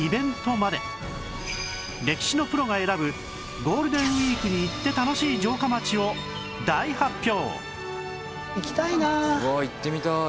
歴史のプロが選ぶゴールデンウィークに行って楽しい城下町を大発表